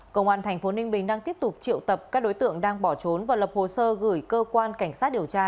công an tp ninh bình đang tiếp tục triệu tập các đối tượng đang bỏ trốn và lập hồ sơ gửi cơ quan cảnh sát điều tra